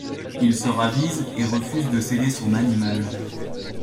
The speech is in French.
Il se ravise et refuse de céder son animal.